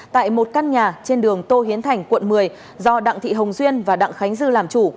tại một căn nhà trên đường tô hiến thành quận một mươi do đặng thị hồng duyên và đặng khánh dư làm chủ